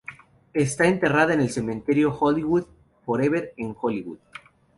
Está enterrada en el Cementerio Hollywood Forever, en Hollywood.